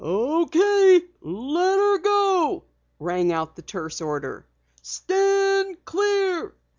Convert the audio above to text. "Okay, let 'er go!" rang out the terse order. "Stand clear!"